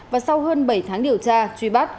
và sau hơn bảy tháng điều tra truy bắt